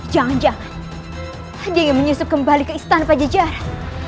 jangan jangan dia ingin menyusup kembali ke istana pajajar